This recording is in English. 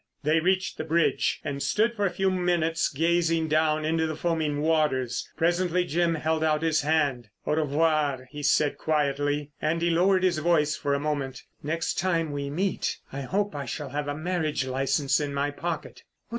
They reached the bridge, and stood for a few minutes gazing down into the foaming waters. Presently Jim held out his hand: "Au revoir," he said quietly. And he lowered his voice for a moment. "Next time we meet I hope I shall have a marriage licence in my pocket."